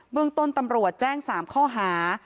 เมืองต้นตำรวจแจ้ง๓ข้อหา